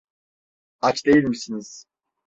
Aç değil misiniz?